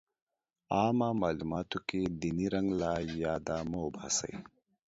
عامه معلوماتو کې ديني رنګ له ياده مه وباسئ.